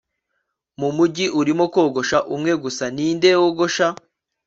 mu mujyi urimo kogosha umwe gusa, ninde wogosha